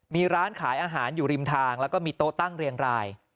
มีร้านขายอาหารอยู่ริมทางแล้วก็มีโต๊ะตั้งเรียงราย